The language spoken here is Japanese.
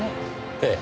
ええ。